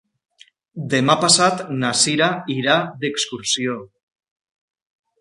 Demà passat na Sira irà d'excursió.